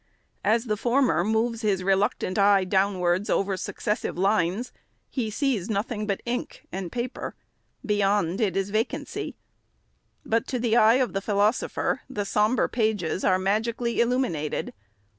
As the former moves his reluctant eye down wards over successive lines, he sees nothing but ink and paper. Beyond, it is vacancy. But to the eye of the philosopher, the sombre pages are magically illuminated.